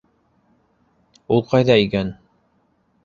Ул ҡайҙа икән?!